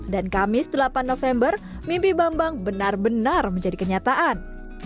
dan kamis delapan november mimpi bambang benar benar menjadi kenyataan